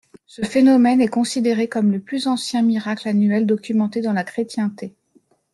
Ce phénomène est considéré comme le plus ancien miracle annuel documenté dans la chrétienté.